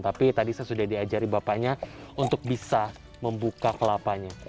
tapi tadi saya sudah diajari bapaknya untuk bisa membuka kelapanya